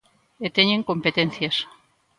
E teñen competencias.